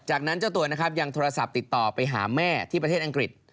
จากนั้นเจ้าตัวนะครับยังโทรศัพท์ติดต่อไปหาแม่ที่ประเทศอังกฤษ